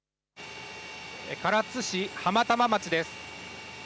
唐津市浜玉町です。